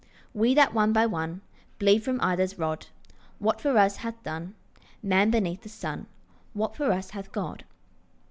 We that one by one Bleed from either's rod. What for us hath done Man beneath the sun, What for us hath God?